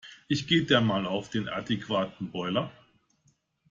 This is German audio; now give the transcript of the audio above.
Ich gehe dann mal auf den adäquaten Boiler.